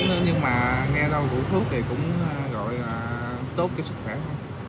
không biết nữa nhưng mà nghe đâu rượu thuốc thì cũng gọi là tốt cái sức khỏe thôi